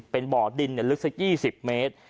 เป็นบ่อดินเนี่ยลึกซัก๒๐เมตร